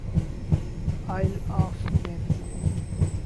oil of main